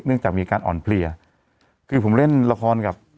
เนื่องจากมีความอ่อนเพลียคือผมเล่นละครกับ